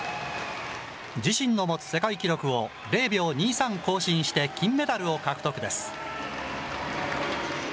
自身の持つ世界記録を０秒２３更新して金メダルを獲得です。